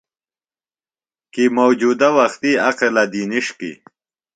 کی موجودہ وختی اقلہ دی نِݜکیۡ